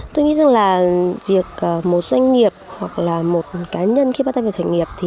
tôi nghĩ rằng là việc một doanh nghiệp hoặc là một cá nhân khi bắt tay về thành nghiệp thì